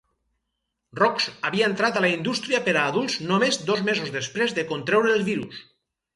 Roxx havia entrat a la indústria per a adults només dos mesos després de contreure el virus.